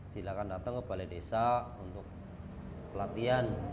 silahkan datang ke balai desa untuk pelatihan